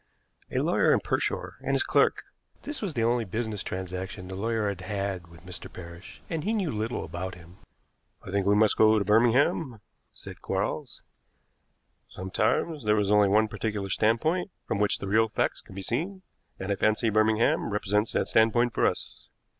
"A lawyer in Pershore and his clerk. This was the only business transaction the lawyer had had with Mr. Parrish, and he knew little about him." "I think we must go to Birmingham," said Quarles. "Sometimes there is only one particular standpoint from which the real facts can be seen, and I fancy Birmingham represents that standpoint for us.